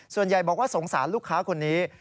ส่วนใหญ่บอกว่าสงสารลูกค้าคนนี้